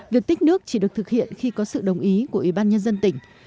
việc tích nước chỉ được thực hiện khi có sự đồng ý của ủy ban nhân dân tỉnh